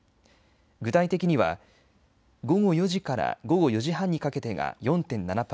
具体的には午後４時から午後４時半にかけてが４．７％。